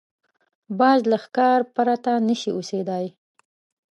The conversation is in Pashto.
باز له ښکار پرته نه شي اوسېدای